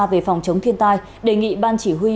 về phòng chống thiên tai đề nghị ban chỉ huy